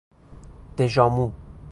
دژآمو